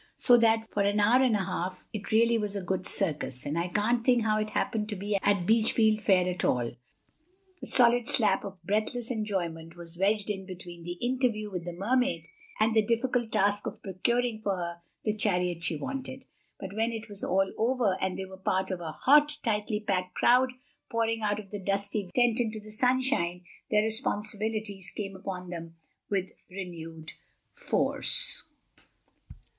So that for an hour and a half—it really was a good circus, and I can't think how it happened to be at Beachfield Fair at all—a solid slab of breathless enjoyment was wedged in between the interview with the Mermaid and the difficult task of procuring for her the chariot she wanted. But when it was all over and they were part of a hot, tightly packed crowd pouring out of the dusty tent into the sunshine, their responsibilities came upon them with renewed force.